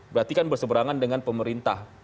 berarti kan berseberangan dengan pemerintah